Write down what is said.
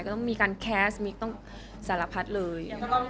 ต้องมีการแซสมีการสารพัดเลย